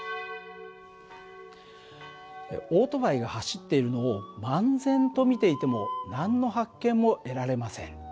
オートバイが走っているのを漫然と見ていても何の発見も得られません。